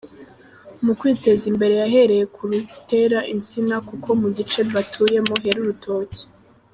Mu kwiteza imbere yahereye ku gutera insina kuko mu gice batuyemo hera urutoki.